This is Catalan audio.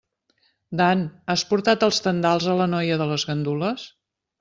Dan, has portat els tendals a la noia de les gandules?